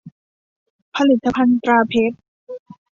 ผลิตภัณฑ์ตราเพชร